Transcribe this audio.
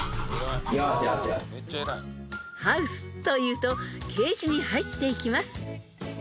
［「ハウス！」と言うとケージに入っていきます］